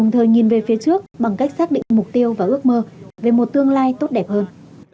trước bằng cách xác định mục tiêu và ước mơ về một tương lai tốt đẹp hơn